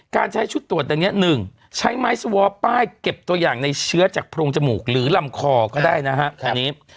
การใช้ชุดตรวจอย่างนี้๑ใช้ไม้สวอปป้ายเก็บตัวอย่างในเชื้อจากโพรงจมูกหรือลำคอก็ได้นะครับ